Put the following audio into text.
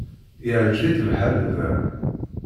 Yeɛjeb-itt lḥal da.